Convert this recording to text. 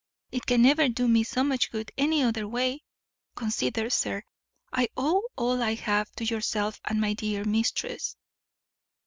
It can never do me so much good any other way. Consider, sir, I owe all I have to yourself and my dear mistress."